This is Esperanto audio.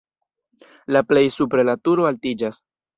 La plej supre la turo altiĝas.